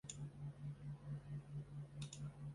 短齿爪哇假糙苏为唇形科假糙苏属下的一个变种。